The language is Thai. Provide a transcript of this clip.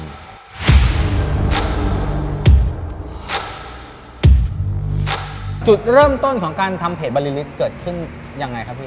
จุดเริ่มต้นของการทำเพจบริลิตเกิดขึ้นยังไงครับพี่